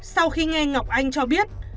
sau khi nghe ngọc anh cho biết